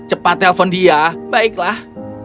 cepat telepon dia baiklah